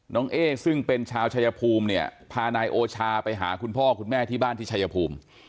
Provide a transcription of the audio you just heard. เอ๊ซึ่งเป็นชาวชายภูมิเนี่ยพานายโอชาไปหาคุณพ่อคุณแม่ที่บ้านที่ชายภูมิ